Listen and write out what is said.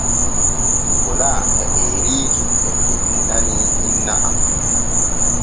Nikola e Eriiki e kettinanii inna am.